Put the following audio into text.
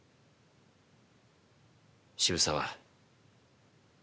渋沢